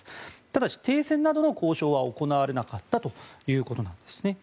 ただし停戦などの交渉は行われなかったということなんですね。